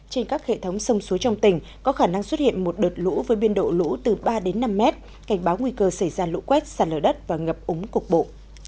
trên các hệ thống sông suối trong tỉnh có khả năng xuất hiện một đợt lũ với biên độ lũ từ ba đến năm mét cảnh báo nguy cơ xảy ra lũ quét sạt lở đất và ngập úng cục bộ